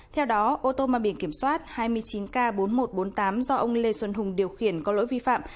theo đó ô tô mang biển kiểm soát hai mươi chín k bốn nghìn một trăm bốn mươi tám do ông lê xuân hùng điều khiển có lỗi vi phạm